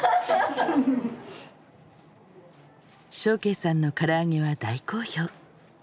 祥敬さんのからあげは大好評。